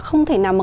không thể nào mà